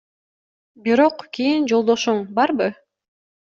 Бирок кийин Жолдошуң барбы?